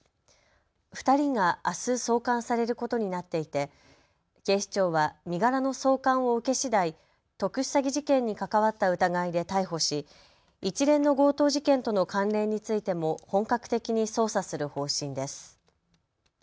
２人があす送還されることになっていて警視庁は身柄の送還を受けしだい特殊詐欺事件に関わった疑いで逮捕し一連の強盗事件との関連についても本格的に捜査する方針です。